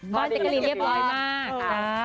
พ่อดีเย็นเย็นมาก